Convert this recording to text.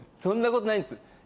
そんなことないです。